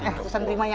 eh susan terima ya